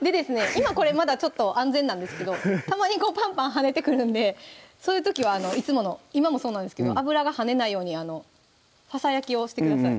今これまだちょっと安全なんですけどたまにパンパン跳ねてくるんでそういう時はいつもの今もそうなんですけど油が跳ねないようにファサ焼きをしてください